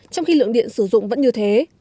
trong khi lượng điện sử dụng vẫn như thế